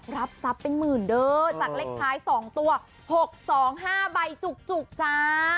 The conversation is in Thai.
รับทรัพย์เป็นหมื่นเด้อจากเลขท้าย๒ตัว๖๒๕ใบจุกจ้า